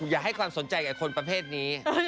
อย่าให้ความสนใจกับคนประเภทนี้